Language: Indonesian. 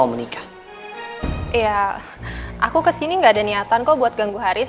owedh kepada anda